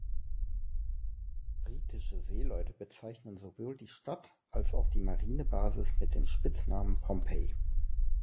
Britische Seeleute bezeichnen sowohl die Stadt als auch die Marinebasis mit dem Spitznamen "Pompey".